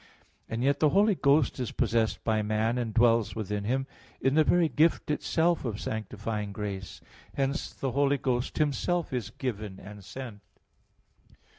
And yet the Holy Ghost is possessed by man, and dwells within him, in the very gift itself of sanctifying grace. Hence the Holy Ghost Himself is given and sent.